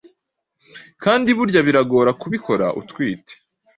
Kandi burya biragora kubikora utwite